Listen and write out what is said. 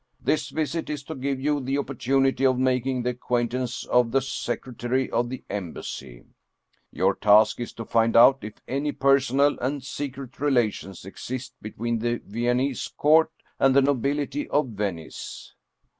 This visit is to give you the opportunity of making the acquaintance of the secretary of the embassy. Your task 63 German Mystery Stories is to find out if any personal and secret relations exist between the Viennese court and the nobility of Venice.